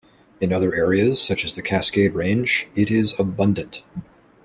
In other areas, such as the Cascade Range, it is abundant.